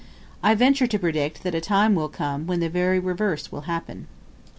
I venture to predict that a time will come when the very reverse will happen.